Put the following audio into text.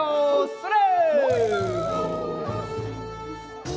それ！